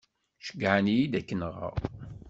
Ceyyεen-iyi-d ad k-nɣeɣ.